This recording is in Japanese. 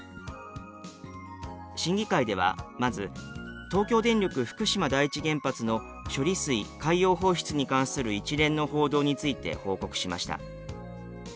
審議会ではまず東京電力福島第一原発の処理水海洋放出に関する一連の報道について報告しました。